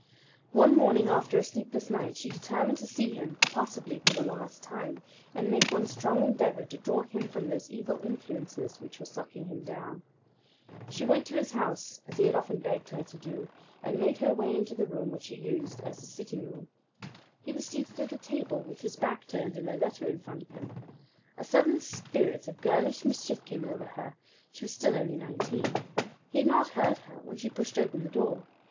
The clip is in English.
One morning after a sleepless night she determined to see him, possibly for the last time, and make one strong endeavour to draw him from those evil influences which were sucking him down. She went to his house, as he had often begged her to do, and made her way into the room which he used as his sitting room. He was seated at a table, with his back turned and a letter in front of him. A sudden spirit of girlish mischief came over her she was still only nineteen. He had not heard her when she pushed open the door.